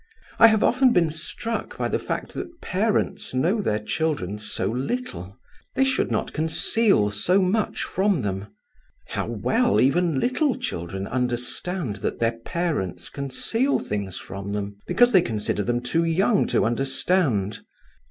I have often been struck by the fact that parents know their children so little. They should not conceal so much from them. How well even little children understand that their parents conceal things from them, because they consider them too young to understand!